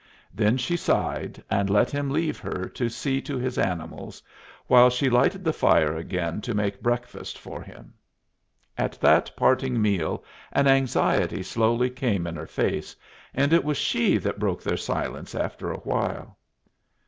Then she sighed, and let him leave her to see to his animals, while she lighted the fire again to make breakfast for him. At that parting meal an anxiety slowly came in her face, and it was she that broke their silence after a while.